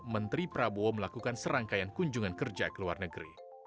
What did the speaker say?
menteri prabowo melakukan serangkaian kunjungan kerja ke luar negeri